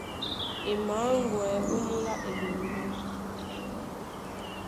E mǎŋgwɛ̌ ónyólá eɓoŋgó.